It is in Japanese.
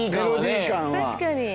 確かに。